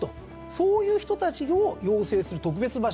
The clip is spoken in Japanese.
そういう人たちを養成する特別場所だったと。